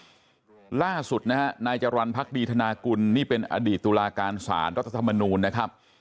ล่าสุดนะฮะนายจรรย์พักดีธนากุลนี่เป็นอดีตตุลาการสารรัฐธรรมนูลนะครับ